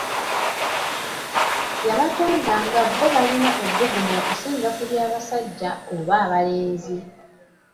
Yabatonda nga bo balina ebbugumu okusinga ku lya basajja oba abalenzi.